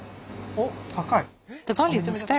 おっ、高い。